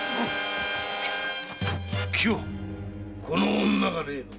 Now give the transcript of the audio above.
この女が？